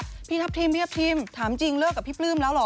พี่ทัพทิมพี่ทัพทิมถามจริงเลิกกับพี่ปลื้มแล้วเหรอ